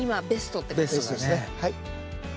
ベストですねはい。